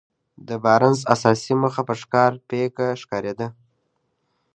د بارنس اساسي موخه په ښکاره پيکه ښکارېده.